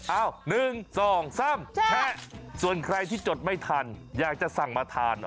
เอ้าหนึ่งสองสามแค่ส่วนใครที่จดไม่ทันอยากจะสั่งมาทาน